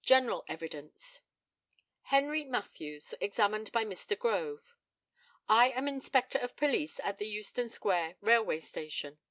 GENERAL EVIDENCE. HENRY MATTHEWS, examined by Mr. GROVE: I am inspector of police at the Euston square Railway Station.